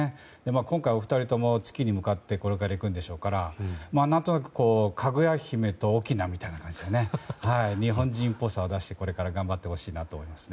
今回、お二人とも月に向かってこれから行くんでしょうから何となくかぐや姫と翁みたいな感じで日本人っぽさを出して頑張ってほしいなと思いますね。